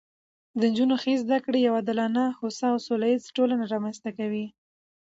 د نجونو ښې زده کړې یوه عادلانه، هوسا او سوله ییزه ټولنه رامنځته کوي